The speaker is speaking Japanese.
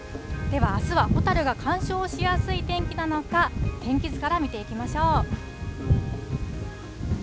では、あすはホタルが鑑賞しやすい天気なのか、天気図から見ていきましょう。